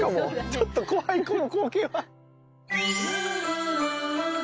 ちょっと怖いこの光景は。